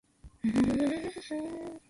Governor who serves ex officio.